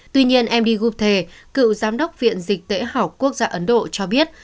tuy nhiên md gupte cựu giám đốc viện dịch tễ học quốc gia ấn độ cho biết